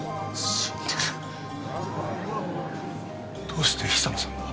どうして久野さんが。